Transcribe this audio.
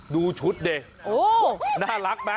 ดูชุดเนี่ยน่ารักไหม